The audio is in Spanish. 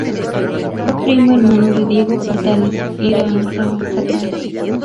Fue primo hermano de Diego Portales Irarrázaval.